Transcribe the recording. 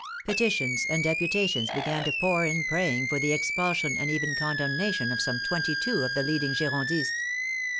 Petitions and deputations began to pour in praying for the expulsion and even condemnation of some twenty two of the leading Girondists.